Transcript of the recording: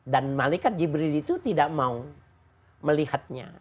dan malikat jibril itu tidak mau melihatnya